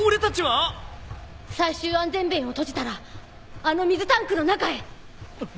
最終安全弁を閉じたらあの水タンクの中へ。